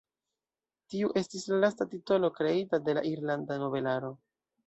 Tiu estis la lasta titolo kreita de la irlanda nobelaro.